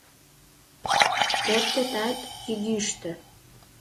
Пӧртетат йӱгӱштӧ.